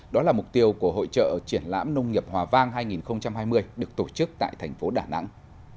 đó là mục tiêu của hội trợ triển lãm nông nghiệp hòa vang hai nghìn hai mươi được tổ chức tại thành phố đà nẵng